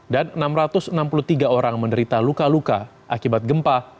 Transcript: dan enam ratus enam puluh tiga orang menderita luka luka akibat gempa